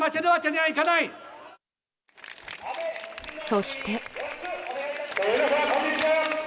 そして。